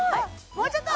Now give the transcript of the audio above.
もうちょっと！